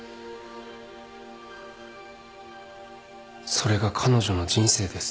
それが彼女の人生です。